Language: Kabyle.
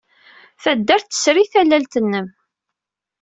Taddart tesri tallalt-nnem.